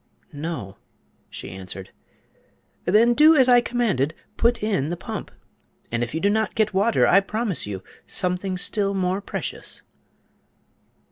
"No," she answered. "Then do as I commanded; put in the pump, and if you do not get water I promise you something still more precious."